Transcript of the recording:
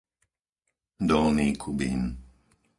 Dolný Kubín